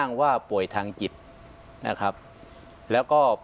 อันดับที่สุดท้าย